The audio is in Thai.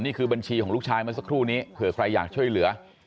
นี่คือบัญชีของลูกชายเมื่อสักครู่นี้เผื่อใครอยากช่วยเหลือ